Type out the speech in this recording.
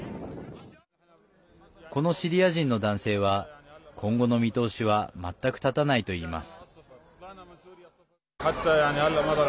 このシリア人の男性は今後の見通しは全く立たないと言います。